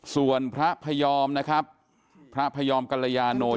ส่วนพระพยอมพระพยอมกันลยาโนะ